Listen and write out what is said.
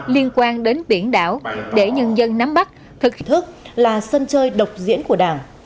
liên quan đến biển đảo để nhân dân nắm bắt thực là sân chơi độc diễn của đảng